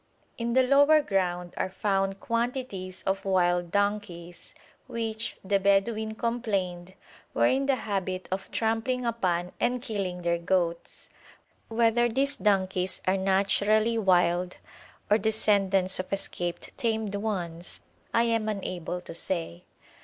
In the lower ground are found quantities of wild donkeys, which, the Bedouin complained, were in the habit of trampling upon and killing their goats. Whether these donkeys are naturally wild or descendants of escaped tamed ones I am unable to say.